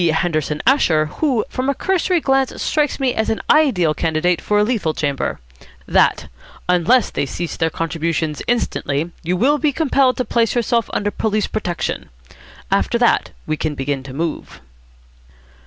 Henderson Asher, who from a cursory glance strikes me as an ideal candidate for a lethal chamber) that, unless they cease their contributions instantly, you will be compelled to place yourself under police protection. After that we can begin to move."